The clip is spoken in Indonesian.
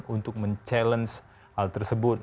untuk mencabar hal tersebut